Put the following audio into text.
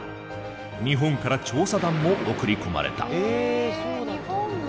日本から調査団も送り込まれた。